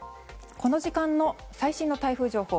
この時間の最新の台風情報。